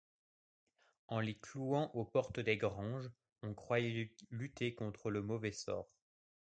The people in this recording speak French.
En les clouant aux portes des granges, on croyait lutter contre les mauvais sorts.